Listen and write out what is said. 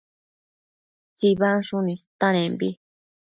tsibansshun istanembi